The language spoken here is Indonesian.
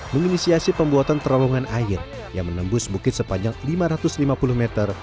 menginisiasi pembuatan terowongan air yang menembus bukit sepanjang lima ratus lima puluh meter